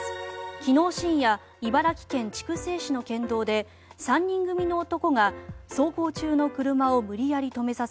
昨日深夜、茨城県筑西市の県道で３人組の男が走行中の車を無理やり止めさせ